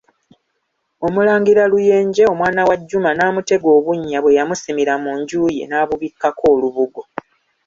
Omulangira Luyenje omwana wa Juma n'amu-tega obunnya bwe yamusimira mu nju ye, n'abubikkako olubugo.